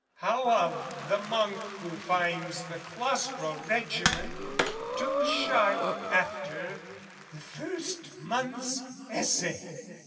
How of the Monk Who finds the claustral regimen too sharp After the first month's essay?